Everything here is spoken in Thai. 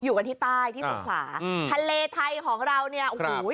อยู่กันที่ใต้ที่สงขลาอืมทะเลไทยของเราเนี่ยโอ้โห